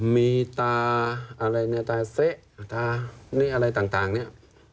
มีตาอะไรเนี่ยตาเสตานี่อะไรต่างเนี่ย